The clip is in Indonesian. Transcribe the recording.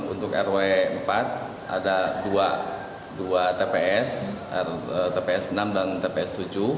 untuk rw empat ada dua tps tps enam dan tps tujuh